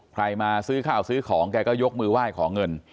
ใครมาซื้อข้าวซื้อของแกก็ยกมือไหว้ขอเงิน